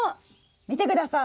見てください！